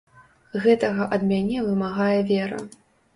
Гэтага ад мяне вымагае вера.